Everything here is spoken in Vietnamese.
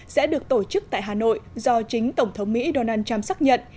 sẽ được tổ chức tại hà nội do chính tổng thống mỹ donald trump xác nhận